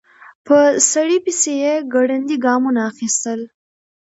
په سړي پسې يې ګړندي ګامونه اخيستل.